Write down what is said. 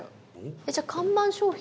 じゃあ、看板商品？